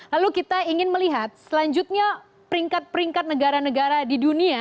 lalu kita ingin melihat selanjutnya peringkat peringkat negara negara di dunia